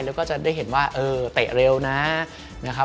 แล้วก็จะได้เห็นว่าเตะเร็วนะ